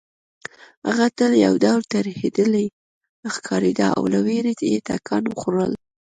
هغه تل یو ډول ترهېدلې ښکارېده او له وېرې یې ټکان خوړل